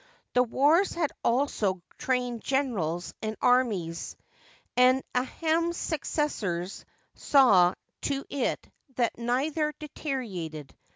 The wars had also trained generals and armies, and Aahmes's successors saw to it that neither deteriorated.